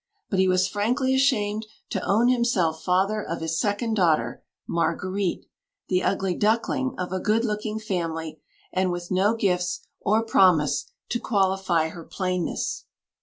But he was frankly ashamed to own himself father of his second daughter, Marguerite, the "ugly duckling" of a good looking family, and with no gifts or promise to qualify her plainness.